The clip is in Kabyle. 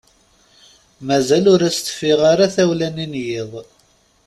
Mazal ur as-teffiɣ ara tawla-nni n yiḍ.